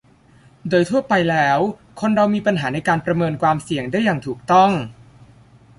โดยทั่วไปแล้วคนเรามีปัญหาในการประเมินความเสี่ยงได้อย่างถูกต้อง